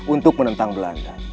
untuk menentang belanda